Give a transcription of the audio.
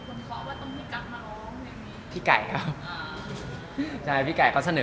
อันนี้ใครเป็นคนขอว่าต้องให้กั๊บมาร้องอย่างนี้